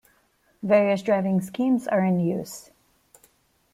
Various driving schemes are in use.